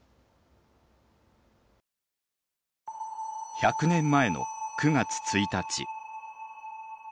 １００年前の９月１日。